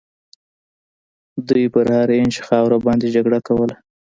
دوی پر هر اینچ خاوره باندي جګړه کوله.